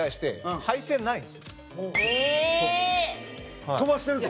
配線ないんで。